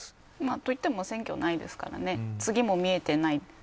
といっても選挙がないですから次も見えていない。